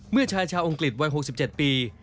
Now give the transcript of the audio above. เมื่อชายชาวองค์กลิดวัย๖๗ปี